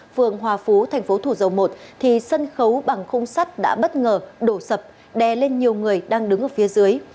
phường hòa phú tp thủ dầu một thì sân khấu bằng khung sắt đã bất ngờ đổ sập đe lên nhiều người đang đứng ở phía dưới